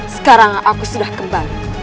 sekarang aku sudah kembali